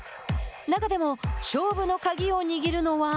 中でも勝負の鍵を握るのは。